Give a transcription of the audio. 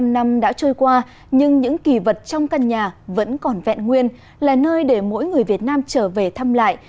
bảy mươi năm năm đã trôi qua nhưng những kỳ vật trong căn nhà vẫn còn vẹn nguyên là nơi để mỗi người việt nam trở về thăm lại